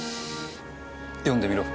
読んでみろ。